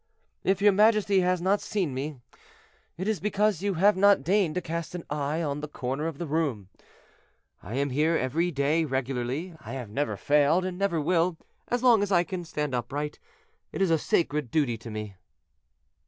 "If your majesty has not seen me, it is because you have not deigned to cast an eye on the corner of the room. I am here every day regularly; I never have failed, and never will, as long as I can stand upright: it is a sacred duty to me."